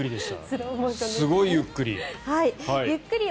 すごいゆっくり。